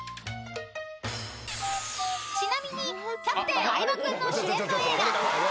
［ちなみにキャプテン相葉君の主演の映画］